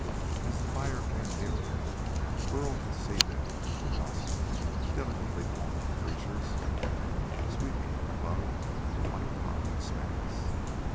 As the fire came nearer, Burl could see them: colossal, delicately formed creatures sweeping above the white hot expanse.